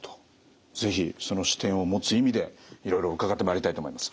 是非その視点を持つ意味でいろいろ伺ってまいりたいと思います。